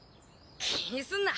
気にすんな。